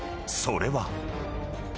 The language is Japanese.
それは］